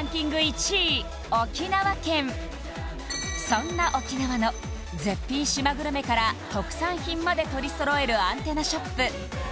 １位沖縄県そんな沖縄の絶品島グルメから特産品まで取り揃えるアンテナショップ